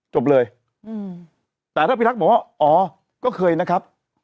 จบเลยแต่ถ้าพิรักษ์บอกว่าอ๋อก็เคยนะครับ